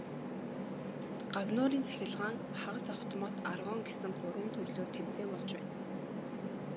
Гагнуурын цахилгаан, хагас автомат, аргон гэсэн гурван төрлөөр тэмцээн болж байна.